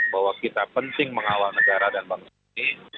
bahwa kita penting mengawal negara dan bangsa ini